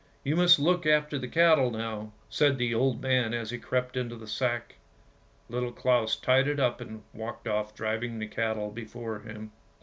" You must look after the cattle now," said the old man as he crept into the sack. Little Claus tied it up and walked off driving the cattle before him.